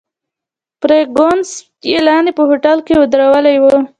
فرګوسن یې لاندې په هوټل کې ودرولې وه.